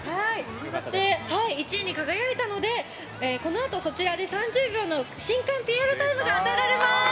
そして、１位に輝いたのでこのあと会場で３０秒の新歓ＰＲタイムが与えられます。